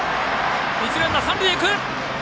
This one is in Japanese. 一塁ランナーは三塁へ。